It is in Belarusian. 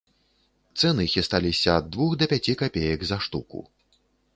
Цэны хісталіся ад двух да пяці капеек за штуку.